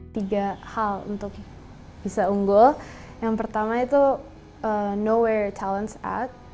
tiga hal untuk bisa unggul yang pertama itu know where your talent is at